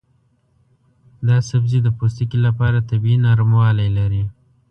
دا سبزی د پوستکي لپاره طبیعي نرموالی لري.